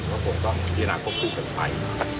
ก็คงต้องพรียนาควบคุกกันไป